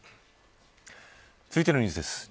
続いてのニュースです。